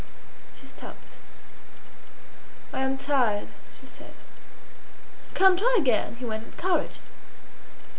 She stopped. "I am tired," she said. "Come, try again," he went on. "Courage!"